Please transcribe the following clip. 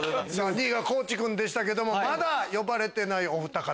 ２位が地君でしたけどもまだ呼ばれてないおふた方？